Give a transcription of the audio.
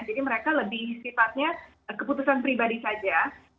jadi mereka lebih sifatnya keputusan pribadi saja